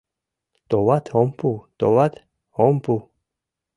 Товат, ом пу, товат, ом пу!